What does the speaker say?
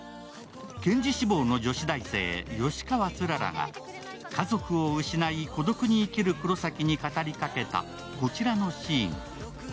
検事志望の女子大生・吉川氷柱が家族を失い孤独に生きる黒崎に語りかけた、こちらのシーン。